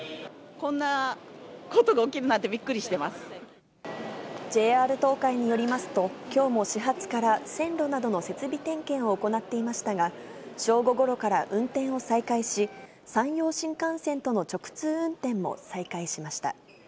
こんなことが起きるなんてびＪＲ東海によりますと、きょうも始発から線路などの設備点検を行っていましたが、正午ごろから運転を再開し、山陽新幹線との直通運転も再開しました。